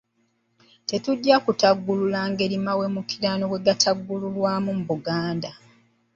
Tetujja kutaggulula ngeri mawemukirano gye gamalibwamu mu Buganda.